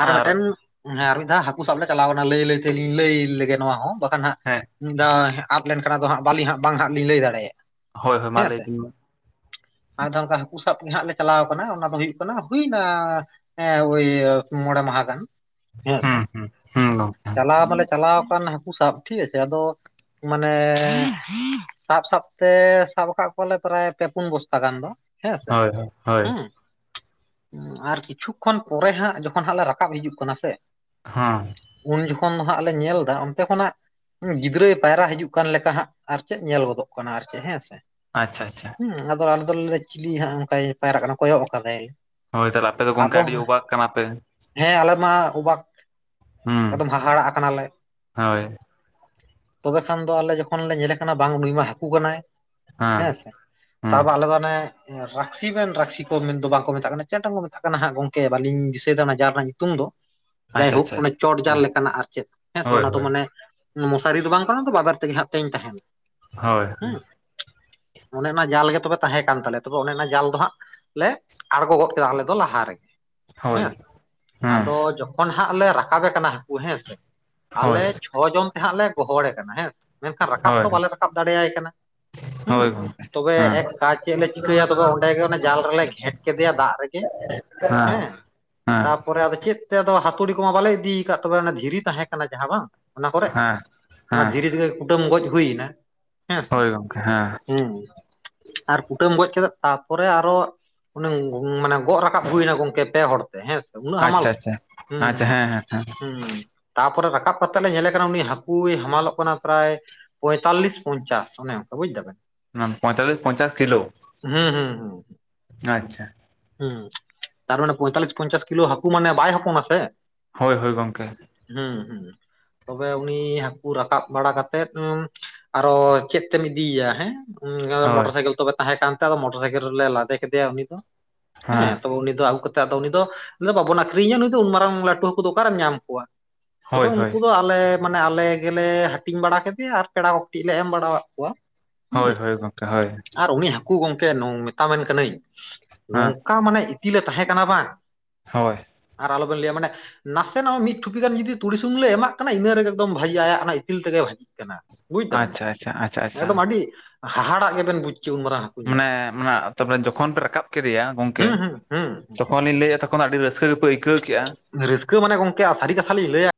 ᱟᱨ ᱢᱤᱫᱴᱮᱱ ᱦᱮᱸ ᱟᱨ ᱢᱤᱫ ᱫᱷᱟᱣ ᱦᱟᱹᱠᱩ ᱥᱟᱵᱞᱮ ᱪᱟᱞᱟᱣᱱᱟ ᱞᱟᱹᱭ ᱞᱟᱹᱭ ᱛᱮᱞᱤᱧ ᱞᱟᱹᱭᱞᱮᱜᱮ ᱱᱚᱣᱟ ᱦᱚᱸ ᱵᱟᱠᱷᱟᱱ ᱦᱟᱜ ᱦᱮᱸ ᱢᱤᱛᱫᱷᱟᱶ ᱟᱫ ᱞᱮᱱᱠᱷᱟᱱ ᱫᱚ ᱦᱟᱸᱜ ᱵᱟᱹᱞᱤᱧ ᱦᱟᱜ ᱵᱟᱝ ᱦᱟᱸᱜ ᱞᱤᱧ ᱞᱟᱹᱭ ᱫᱟᱲᱮᱭᱟᱜᱼᱟ ᱦᱳᱭ ᱦᱳᱭ ᱢᱟ ᱞᱟᱹᱭ ᱵᱥᱱ ᱢᱟ ᱟᱨᱫᱷᱟᱶ ᱚᱱᱠᱟ ᱦᱟᱹᱠᱩ ᱥᱟᱵ ᱦᱟᱸᱜ ᱞᱮ ᱪᱟᱞᱟᱣ ᱠᱟᱱᱟ ᱚᱱᱟ ᱫᱚ ᱦᱩᱭᱩᱜ ᱠᱟᱱᱟ ᱦᱩᱭᱮᱱᱟ ᱦᱮᱸ ᱦᱳᱭ ᱢᱚᱬᱮ ᱢᱟᱦᱟ ᱜᱟᱱ ᱦᱮᱸ ᱥᱮ ᱦᱩᱸ ᱦᱩᱸ ᱦᱩᱸ ᱜᱚᱝᱠᱮ ᱪᱟᱞᱟᱣ ᱢᱟᱞᱮ ᱪᱟᱞᱟᱣ ᱟᱠᱟᱱ ᱦᱟᱹᱠᱩ ᱥᱟᱵ ᱴᱷᱤᱠ ᱟᱪᱷᱮ [unintelligible] ᱟᱫᱚ ᱢᱟᱱᱮ ᱥᱟᱵ ᱥᱟᱵ ᱛᱮ ᱥᱟᱵ ᱟᱠᱟᱫ ᱠᱚᱣᱟᱞᱮ ᱯᱮᱨᱟᱭ ᱯᱮ ᱯᱩᱱ ᱵᱚᱥᱛᱟ ᱜᱟᱱ ᱫᱚ ᱦᱮᱸᱥᱮ ᱦᱳᱭ ᱦᱳᱭ ᱦᱳᱭ ᱦᱮᱸ ᱦᱟ ᱟᱨ ᱠᱤᱪᱷᱩ ᱠᱷᱚᱱ ᱯᱚᱨᱮ ᱦᱟᱸᱜ ᱡᱚᱠᱷᱚᱱ ᱦᱟᱸᱜ ᱞᱮ ᱨᱟᱠᱟᱵ ᱦᱤᱡᱩᱜ ᱠᱟᱱᱟ ᱥᱮ ᱦᱟᱸ ᱩᱱ ᱡᱚᱠᱷᱚᱱ ᱫᱚ ᱦᱟᱜ ᱞᱮ ᱧᱮᱞ ᱫᱟ ᱚᱱᱛᱮ ᱠᱷᱚᱱᱟᱜ ᱜᱤᱫᱽᱨᱟᱹᱭ ᱯᱟᱭᱨᱟ ᱦᱤᱡᱩᱜ ᱚᱱᱠᱟᱱ ᱞᱮᱠᱟ ᱦᱟᱜ ᱟᱨ ᱪᱮᱫ ᱧᱮᱞ ᱜᱚᱫᱚᱜ ᱠᱟᱱᱟ ᱟᱨ ᱪᱮᱫ ᱦᱮᱸ ᱥᱮ ᱟᱪᱪᱷᱟ ᱟᱪᱪᱷᱟ ᱦᱮᱸ ᱟᱫᱚ ᱟᱞᱮ ᱫᱚᱞᱮ ᱞᱟᱹᱭ ᱫᱟ ᱪᱤᱞᱤ ᱦᱟᱜ ᱚᱱᱠᱟ ᱯᱟᱭᱨᱟᱜ ᱠᱟᱱᱟ ᱠᱚᱭᱚᱜ ᱟᱠᱟᱫᱟᱭ ᱦᱳᱭ ᱛᱟᱦᱚᱞᱮ ᱟᱯᱮ ᱫᱚ ᱜᱚᱝᱠᱮ ᱟᱫᱚ ᱟᱹᱰᱤ ᱚᱵᱟᱜ ᱠᱟᱱᱟ ᱯᱮ ᱦᱮᱸ ᱟᱞᱮ ᱢᱟ ᱚᱵᱟᱠ ᱦᱩᱸ ᱮᱠᱫᱚᱢ ᱦᱟᱦᱟᱲᱟᱜ ᱠᱟᱱᱟᱞᱮ ᱦᱳᱭ ᱛᱚᱵᱮᱠᱷᱟᱱ ᱫᱚ ᱟᱞᱮ ᱡᱚᱠᱷᱚᱱ ᱞᱮ ᱧᱮᱞᱮ ᱠᱟᱱᱟ ᱵᱟᱝ ᱱᱩᱭ ᱢᱟ ᱦᱟᱠᱩ ᱠᱟᱱᱟᱭ ᱦᱮᱸ ᱥᱮ ᱦᱮᱸ ᱛᱟᱯᱚᱨ [unintelligible] ᱟᱞᱮ ᱫᱚ ᱚᱱᱮ ᱨᱟᱠᱥᱤ ᱢᱮᱱ ᱨᱟᱹᱠᱥᱤ ᱠᱚ ᱢᱮᱱᱫᱚ ᱵᱟᱝᱠᱚ ᱢᱮᱛᱟᱜ ᱠᱟᱱᱟ ᱪᱮᱫᱴᱟᱝ ᱠᱚ ᱢᱮᱛᱟᱜ ᱠᱟᱱᱟ ᱦᱟᱸᱜ ᱜᱚᱝᱠᱮ ᱵᱟᱹᱞᱤᱧ ᱫᱤᱥᱟᱹᱭ ᱮᱫᱟ ᱡᱟᱞ ᱨᱮᱱᱟᱜ ᱧᱩᱛᱩᱢ ᱫᱚ [inaudible] ᱡᱟᱭᱦᱳᱠ ᱟᱪᱪᱷᱟ ᱪᱚᱴᱡᱟᱞ ᱦᱮᱸ ᱞᱮᱠᱟᱱᱟᱜ ᱟᱨ ᱪᱮᱫ ᱦᱮᱸ ᱥᱮ ᱦᱳᱭ ᱚᱱᱟ ᱫᱚ ᱦᱳᱭ ᱢᱟᱱᱮ ᱢᱚᱥᱟᱨᱤ ᱫᱚ ᱵᱟᱝ ᱠᱟᱱᱟ ᱵᱟᱵᱮᱨ ᱛᱮᱜᱮ ᱦᱟᱜ ᱛᱮᱧ ᱛᱟᱦᱮᱱᱟ ᱦᱳᱭ ᱦᱮᱸ ᱚᱱᱮ ᱚᱱᱟ ᱡᱟᱞ ᱜᱮ ᱛᱚᱵᱮ ᱛᱟᱦᱮᱸ ᱠᱟᱱ ᱛᱟᱞᱮᱭᱟ ᱛᱚᱵᱮ ᱚᱱᱮ ᱚᱱᱟ ᱡᱟᱞ ᱫᱚ ᱦᱟᱸᱜ ᱞᱮ ᱟᱬᱜᱚ ᱜᱚᱫ ᱠᱮᱫᱟ ᱟᱞᱮ ᱫᱚ ᱞᱟᱦᱟ ᱨᱮᱜᱮ ᱦᱳᱭ ᱦᱮᱸ ᱥᱮ ᱦᱮᱸ ᱟᱫᱚ ᱡᱚᱠᱷᱚᱱ ᱦᱟᱸᱜ ᱞᱮ ᱨᱟᱠᱟᱵᱮ ᱠᱟᱱᱟ ᱦᱟᱹᱠᱩ ᱦᱮᱸ ᱥᱮ ᱦᱳᱭ ᱟᱞᱮ ᱪᱷᱚ ᱡᱚᱱ ᱛᱮ ᱦᱟᱸᱜ ᱞᱮ ᱜᱚᱦᱚᱲᱮ ᱠᱟᱱᱟ ᱦᱮᱸᱥᱮ ᱢᱮᱱᱠᱷᱟᱱ ᱨᱟᱠᱟᱵ ᱫᱚ ᱵᱟᱞᱮ ᱨᱟᱠᱟᱵ ᱫᱟᱲᱮᱭᱟᱭ ᱠᱟᱱᱟ ᱦᱮ [unintelligible] ᱦᱮᱸ ᱛᱚᱵᱮ ᱮᱠ ᱠᱟᱡ ᱪᱮᱫ ᱞᱮ ᱪᱤᱠᱟᱹᱭᱟ ᱛᱚᱵᱮ ᱚᱸᱰᱮᱜ ᱚᱱᱟ ᱡᱟᱞ ᱨᱮᱞᱮ ᱜᱷᱮᱴ ᱠᱮᱫᱮᱭᱟ ᱫᱟᱜ ᱨᱮᱜᱮ ᱦᱮᱸ ᱛᱟᱨᱯᱚᱨᱮ ᱟᱫᱚ ᱪᱮᱫ ᱟᱫᱚ ᱦᱟᱹᱛᱩᱲᱤ ᱠᱚᱢᱟ ᱵᱟᱞᱮ ᱤᱫᱤᱠᱟᱫ ᱛᱚᱵᱮ ᱫᱷᱤᱨᱤ ᱛᱟᱦᱮᱸ ᱠᱟᱱᱟ ᱡᱟᱦᱟᱸ ᱵᱟᱝ ᱚᱱᱟ ᱠᱚᱨᱮ ᱦᱮᱸ ᱚᱱᱟ ᱦᱮᱸ ᱫᱷᱤᱨᱤ ᱛᱮᱜᱮ ᱠᱩᱴᱟᱹᱢ ᱜᱚᱡ ᱦᱩᱭ ᱮᱱᱟ ᱦᱳᱭ ᱜᱚᱝᱠᱮ ᱦᱮᱸ ᱟᱨ ᱠᱩᱴᱟᱹᱢ ᱜᱚᱡ ᱠᱮᱫᱮ ᱛᱟᱨᱯᱚᱨᱮ ᱟᱨᱚ ᱚᱱᱮ ᱢᱟᱱᱮ ᱜᱚᱜ ᱨᱟᱠᱟᱵ ᱦᱩᱭᱱᱟ ᱜᱚᱝᱠᱮ ᱯᱮ ᱦᱚᱲᱛᱮ ᱦᱮᱸᱥᱮ ᱩᱱᱟᱹᱜ ᱦᱟᱢᱟᱞ ᱟᱪᱪᱷᱟ ᱥᱮ ᱟᱪᱪᱷᱟ ᱦᱮᱸ ᱟᱪᱪᱷᱟ ᱦᱩᱸ ᱦᱮᱸ ᱦᱮᱸ ᱦᱩᱸ ᱛᱟᱨᱯᱚᱨᱮ ᱨᱟᱠᱟᱵ ᱠᱟᱛᱮᱜ ᱞᱮ ᱧᱮᱞᱮ ᱠᱟᱱᱟ ᱩᱱᱤ ᱦᱟᱹᱠᱩᱭ ᱦᱟᱢᱟᱞᱚᱜ ᱠᱟᱱᱟ ᱯᱨᱟᱭ ᱯᱚᱭᱛᱟᱞᱤᱥ ᱯᱚᱧᱪᱟᱥ ᱚᱱᱮ ᱵᱩᱡ ᱫᱟᱵᱮᱱ ᱯᱚᱭᱛᱟᱞᱞᱤᱥ ᱯᱚᱸᱧᱪᱟᱥ ᱠᱤᱞᱳ ᱦᱩᱸ ᱦᱩᱸ ᱦᱩᱸ ᱟᱪᱪᱷᱟ ᱦᱩᱸ ᱛᱟᱨ ᱢᱟᱱᱮ ᱯᱚᱭᱛᱟᱞᱞᱤᱥ ᱯᱚᱸᱧᱪᱟᱥ ᱠᱤᱞᱳ ᱦᱟᱹᱠᱩ ᱢᱟᱱᱮ ᱵᱟᱭ ᱦᱚᱯᱚᱱᱟ ᱥᱮ ᱦᱳᱭ ᱦᱳᱭ ᱜᱚᱢᱠᱮ ᱦᱮᱸ ᱦᱮᱸ ᱛᱚᱵᱮ ᱩᱱᱤ ᱦᱟᱠᱩ ᱨᱟᱠᱟᱵ ᱵᱟᱲᱟ ᱠᱟᱛᱮᱜ ᱟᱨᱚ ᱪᱮᱫ ᱛᱮᱢ ᱤᱫᱤᱭᱮ-ᱟ ᱦᱮᱸ ᱦᱩᱸ ᱦᱳᱭ ᱢᱚᱴᱚᱨ ᱥᱟᱭᱠᱮᱞ ᱛᱚᱵᱮ ᱛᱟᱦᱮᱸ ᱠᱟᱱ ᱛᱮ ᱟᱫᱚ ᱢᱚᱴᱚᱨ ᱥᱟᱭᱠᱮᱞ ᱨᱮᱞᱮ ᱞᱟᱫᱮ ᱠᱮᱫᱮᱭᱟ ᱩᱱᱤ ᱫᱚ ᱦᱮᱸ ᱛᱚᱵᱮ ᱩᱱᱤ ᱫᱚ ᱟᱜᱩ ᱠᱟᱛᱮ ᱫᱚ ᱵᱟᱵᱚᱱ ᱟᱠᱷᱨᱤᱧᱮᱟ ᱱᱩᱭ ᱫᱚ ᱩᱱ ᱢᱟᱨᱟᱝ ᱞᱟᱹᱴᱩ ᱦᱟᱹᱠᱩ ᱫᱚ ᱚᱠᱟᱨᱮᱢ ᱧᱟᱢ ᱠᱚᱣᱟ ᱦᱳᱭ ᱛᱚᱵᱮ ᱦᱳᱭ ᱩᱱᱠᱩ ᱫᱚ ᱟᱞᱮ ᱢᱟᱱᱮ ᱟᱞᱮ ᱜᱮᱞᱮ ᱦᱟᱹᱴᱤᱧ ᱵᱟᱲᱟ ᱠᱮᱫᱮᱭᱟ ᱟᱨ ᱯᱮᱲᱟ ᱠᱚᱴᱤᱡ ᱞᱮ ᱮᱢ ᱵᱟᱲᱟᱣᱟᱫ ᱠᱚᱣᱟ ᱦᱳᱭ ᱦᱳᱭ ᱜᱚᱢᱠᱮ ᱦᱳᱭ [unintelligible] ᱟᱨ ᱩᱱᱤ ᱦᱟᱹᱠᱩ ᱜᱚᱢᱠᱮ ᱢᱮᱛᱟᱵᱤᱱ ᱠᱟᱹᱱᱟᱹᱧ ᱦᱮᱸ ᱱᱚᱝᱠᱟ ᱢᱟᱱᱮ ᱤᱛᱤᱞ ᱮ ᱛᱟᱦᱮᱸ ᱠᱟᱱᱟ ᱵᱟᱝ ᱦᱳᱭ ᱟᱨ ᱟᱞᱚᱵᱤᱱ ᱞᱟᱹᱭᱟ ᱢᱟᱱᱮ ᱱᱟᱥᱮᱱᱟᱜ ᱢᱤᱫ ᱴᱷᱩᱯᱤ ᱜᱟᱱ ᱡᱩᱫᱤ ᱛᱩᱤ ᱥᱩᱧᱩᱢ ᱞᱮ ᱮᱢᱟᱜ ᱠᱟᱱᱟ ᱤᱱᱟᱹ ᱨᱮᱜᱮ ᱮᱠᱫᱚᱢ ᱵᱷᱟᱹᱜᱤ ᱟᱭᱟᱜ ᱚᱱᱟ ᱤᱛᱤᱞ ᱛᱮᱜᱮ ᱵᱷᱟᱹᱡᱤᱜ ᱠᱟᱱᱟ ᱵᱩᱡ ᱛᱟᱵᱮᱱ, ᱟᱪᱪᱷᱟ ᱟᱪᱪᱷᱟ ᱟᱪᱪᱷᱟ ᱟᱪᱪᱷᱟ ᱮᱠᱫᱚᱢ ᱟᱹᱰᱤ ᱦᱟᱦᱟᱲᱟᱜ ᱜᱮᱵᱮᱱ ᱵᱩᱡᱽ ᱠᱮ ᱩᱱ ᱢᱟᱨᱟᱝ ᱦᱟ ᱢᱟᱱᱮ ᱡᱚᱠᱷᱚᱱ ᱯᱮ ᱨᱟᱠᱟᱵ ᱠᱮᱫᱮᱭᱟ ᱜᱚᱝᱠᱮ ᱦᱩᱸ ᱦᱩᱸ ᱦᱩᱸ ᱛᱚᱠᱷᱚᱱ ᱞᱤᱧ ᱞᱟᱹᱭᱮᱫ ᱛᱚᱼᱼ ᱛᱚᱜᱷᱚᱱ ᱟᱹᱰᱤ ᱨᱟᱹᱥᱠᱟᱹ ᱜᱮᱯᱮ ᱟᱹᱭᱠᱟᱹᱣ ᱠᱮᱫᱼᱟ᱾ ᱨᱟᱹᱥᱠᱟᱹ ᱢᱟᱱᱮ ᱜᱚᱝᱠᱮ ᱥᱟᱹᱨᱤ ᱠᱟᱛᱷᱟ ᱞᱤᱧ ᱞᱟᱹᱭᱟ